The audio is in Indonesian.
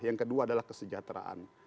yang kedua adalah kesejahteraan